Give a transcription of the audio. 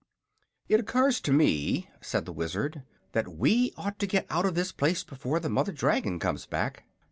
"It occurs to me," said the Wizard, "that we ought to get out of this place before the mother dragon comes back."